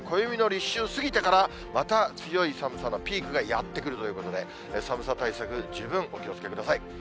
暦の立春過ぎてから、また強い寒さのピークがやって来るということで、寒さ対策、十分お気をつけください。